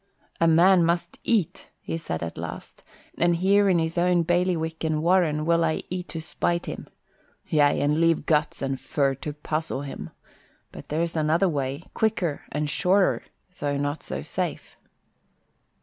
"A man must eat," he said at last, "and here in his own bailiwick and warren will I eat to spite him. Yea, and leave guts and fur to puzzle him. But there's another way, quicker and surer, though not so safe."